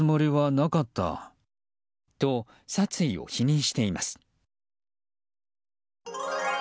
と、殺意を否認しています。